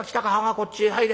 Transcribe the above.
こっちへ入れ。